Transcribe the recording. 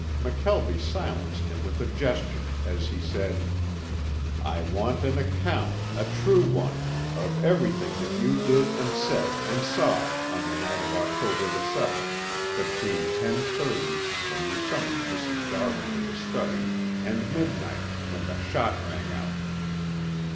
McKelvie silenced him with a gesture, as he said: "I want an account, a true one, of everything that you did and said and saw on the night of October the seventh between ten thirty, when you summoned Mrs. Darwin to the study and midnight, when the shot rang out."